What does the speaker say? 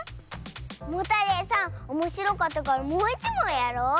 モタレイさんおもしろかったからもういちもんやろう。